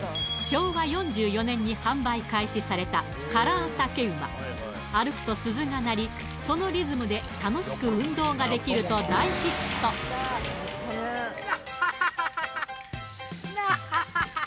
昭和４４年に販売開始されたカラー竹馬歩くと鈴が鳴りそのリズムで楽しく運動ができるとハハハハハ！